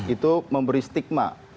itu memberi stigma